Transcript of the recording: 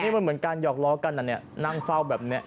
มันเหมือนการหยอกล้อกันนั่งเฝ้าแบบนี้